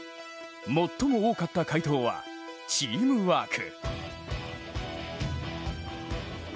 最も多かった回答はチームワーク。